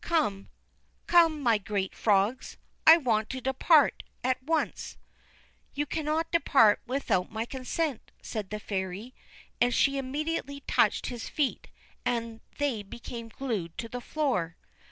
' Come I come, my great frogs ! I want to depart at once.' 'You cannot depart without my consent, said the Fairy, and she immediately touched his feet and they became glued to the floor.